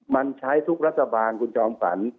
มันใช้ทุกรัฐบาลคุณจอมฝัน